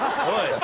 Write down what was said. はい。